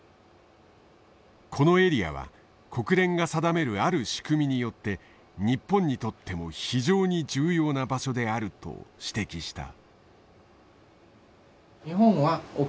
このエリアは国連が定めるある仕組みによって日本にとっても非常に重要な場所であると指摘した。